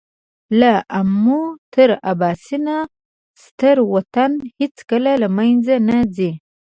له آمو تر اباسینه ستر وطن هېڅکله له مېنځه نه ځي.